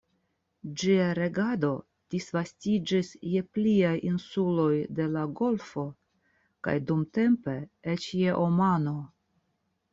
Ĝia regado disvastiĝis je pliaj insuloj de la golfo kaj dumtempe eĉ je Omano.